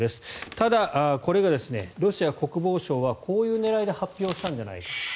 ただ、これがロシア国防省はこういう狙いで発表したんじゃないか。